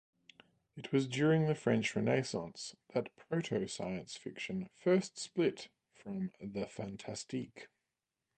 It was during the French Renaissance that proto-science fiction first split from the "fantastique".